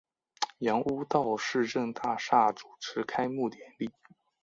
杨屋道市政大厦主持开幕典礼。